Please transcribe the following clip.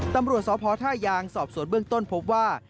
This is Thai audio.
ตำรวจสพท่ายางสอบสวนเบื้องต้นพบว่า